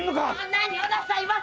何をなさいます！